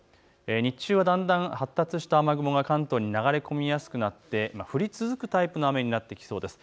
日中はだんだん発達した雨雲が関東に流れ込みやすくなって降り続くタイプの雨になってきそうです。